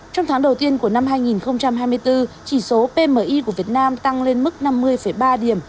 trong tháng đầu tiên của năm hai nghìn hai mươi bốn chỉ số pmi của việt nam tăng lên mức năm mươi ba điểm